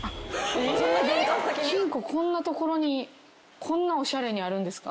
金庫こんなところにこんなおしゃれにあるんですか。